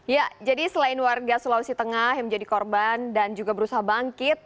ya jadi selain warga sulawesi tengah yang menjadi korban dan juga berusaha bangkit